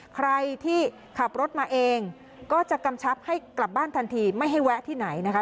ใครที่ขับรถมาเองก็จะกำชับให้กลับบ้านทันทีไม่ให้แวะที่ไหนนะคะ